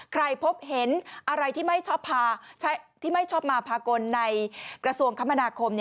ใครพบเห็นอะไรที่ไม่ชอบมาภากลในกระทรวงคมธนาคม